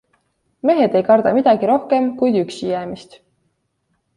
Mehed ei karda midagi rohkem kui üksijäämist.